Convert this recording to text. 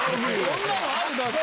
そんなのある？